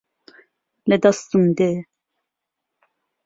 لە دەستم دێ